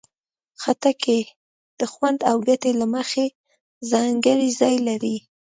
خټکی د خوند او ګټې له مخې ځانګړی ځای لري.